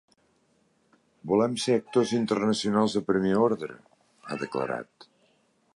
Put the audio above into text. Volem ser actors internacionals de primer ordre, ha declarat.